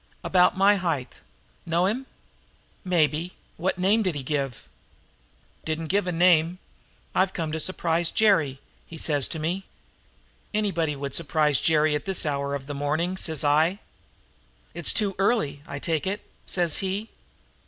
"About my height. Know him?" "Maybe. What name did he give?" "Didn't give a name. 'I've come to surprise Jerry,' he says to me. "'Anybody would surprise Jerry at this hour of the morning,'" says I. "'It's too early, I take it?' says he.